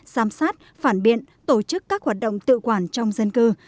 giám sát phản biện tổ chức các hoạt động tự quản trong dân cư